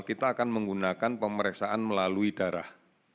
kita akan menggunakan pemeriksaan melalui darah